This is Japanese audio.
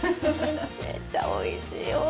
めっちゃおいしいよ。